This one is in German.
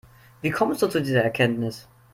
Wie kommst du zu dieser Erkenntnis?